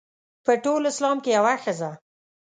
په ټول اسلام کې یوه ښځه.